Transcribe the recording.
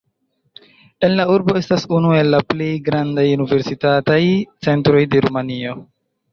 En la urbo estas unu el la plej grandaj universitataj centroj de Rumanio.